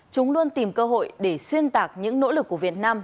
chúng luôn tìm cơ hội để xuyên tạc những nỗ lực của việt nam